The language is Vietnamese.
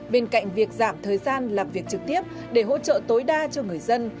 bên cạnh việc giảm thời gian làm việc trực tiếp để hỗ trợ tối đa cho người dân